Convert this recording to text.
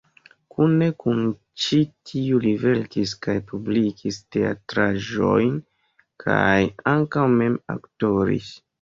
Kune kun ĉi tiu li verkis kaj publikigis teatraĵojn kaj ankaŭ mem aktoris.